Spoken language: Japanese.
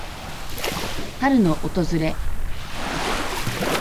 春の訪れ。